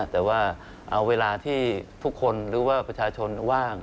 แต่ว่าเอาเวลาที่ทุกคนหรือว่าประชาชนว่าง